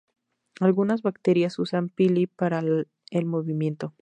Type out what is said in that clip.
Algunas bacterias usan los pili para el movimiento.